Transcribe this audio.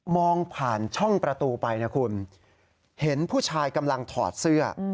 ผ่านช่องประตูไปนะคุณเห็นผู้ชายกำลังถอดเสื้อ